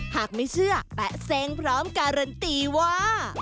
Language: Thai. หากไม่เชื่อแปะเซ้งพร้อมการันตีว่า